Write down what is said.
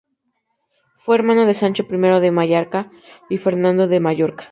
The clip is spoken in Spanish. Fue hermano de Sancho I de Mallorca y Fernando de Mallorca.